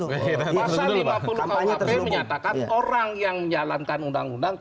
pasal lima puluh kuhp menyatakan orang yang menjalankan undang undang